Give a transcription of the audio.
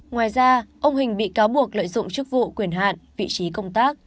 ngoài ra ông hình bị cáo buộc lợi dụng chức vụ quyền hạn vị trí công tác